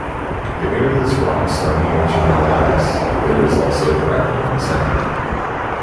The area's rocks are Neogene molasse; there is also gravel and sand.